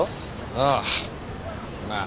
ああまあ